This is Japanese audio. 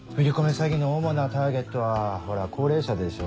詐欺の主なターゲットはほら高齢者でしょ。